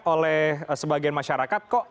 oleh sebagian masyarakat